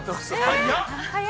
◆早っ。